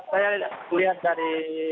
saya lihat dari